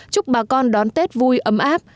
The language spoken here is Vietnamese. chúc bà con đón tết vui ấm áp